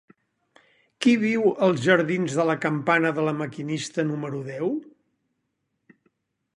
Qui viu als jardins de la Campana de La Maquinista número deu?